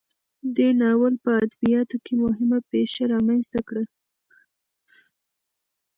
دې ناول په ادبیاتو کې مهمه پیښه رامنځته کړه.